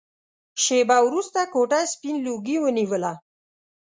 شېبه وروسته کوټه سپين لوګي ونيوله.